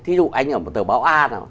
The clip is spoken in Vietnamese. thí dụ anh ở một tờ báo a nào